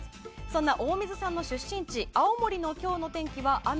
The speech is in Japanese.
そんな大水さんの出身地青森の今日の天気は雨。